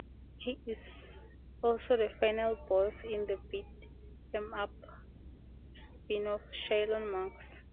He is also the final boss in the beat 'em up spin-off, "Shaolin Monks".